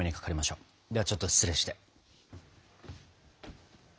ではちょっと失礼して。